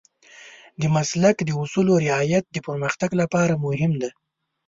د مسلک د اصولو رعایت د پرمختګ لپاره مهم دی.